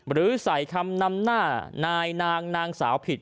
หรือใส่คำนำหน้านายนางนางสาวผิด